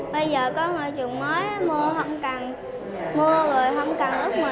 bây giờ có ngôi trường mới mưa không cần mưa rồi không cần ướt mình nữa